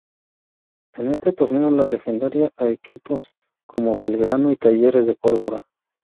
En este torneo le ganaría a equipos como Belgrano y Talleres de Córdoba.